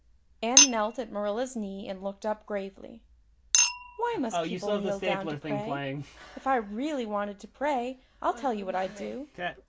Anne knelt at Marilla's knee and looked up gravely. "Why must people kneel down to pray? If I really wanted to pray I'll tell you what I'd do.